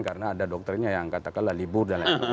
karena ada dokternya yang katakanlah libur